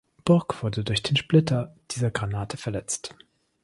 Burg wurde durch den Splitter dieser Granate verletzt.